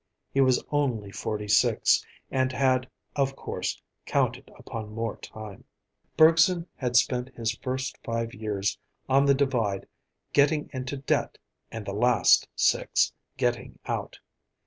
He was only forty six, and had, of course, counted upon more time. Bergson had spent his first five years on the Divide getting into debt, and the last six getting out.